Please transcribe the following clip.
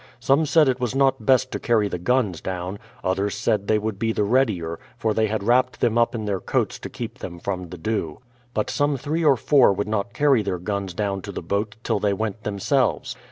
Some said it was not best lo carry the guns down; others said they would be the readier, for they had wrapped them up in their coats to keep them from the dew. But some three or four would not carry their guns down to the boat till they went themselves.